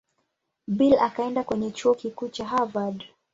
Bill akaenda kwenye Chuo Kikuu cha Harvard.